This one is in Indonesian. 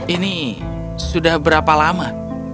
ini sudah berapa lama